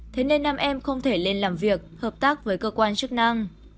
thế nên nam em không thể lên làm việc hợp tác với cơ quan chức năng